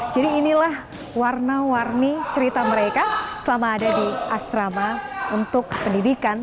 jadi inilah warna warni cerita mereka selama ada di asrama untuk pendidikan